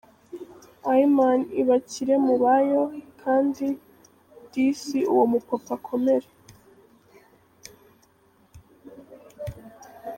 Iman ibakire mubayo kdi dis uwo mupapa akomere.